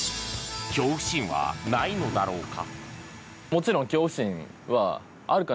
恐怖心はないのだろうか。